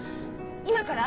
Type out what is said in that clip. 今から？